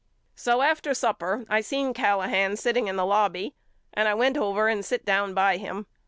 So after supper I seen Callahan sitting in the lobby and I went over and sit down by him.